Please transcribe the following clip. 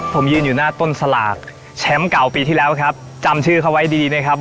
ผมยืนอยู่หน้าต้นสลากแชมป์เก่าปีที่แล้วครับจำชื่อเขาไว้ดีนะครับ